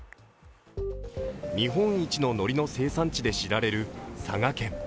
日本一ののりの生産地で知られる佐賀県。